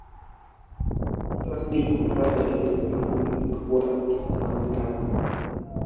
Kila siku Hifadhi ya Taifa Mikumi imekuwa ikikusanya taka